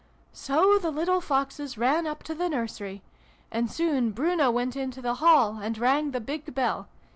" So the little Foxes ran up to the nursery. And soon Bruno went into the hall, and rang the big bell.